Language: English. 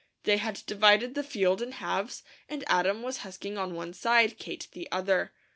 They had divided the field in halves and Adam was husking one side, Kate the other.